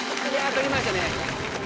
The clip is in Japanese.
取りましたね